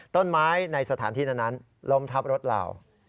ต้นไม้ในสถานที่นั้นล้มทับรถเรา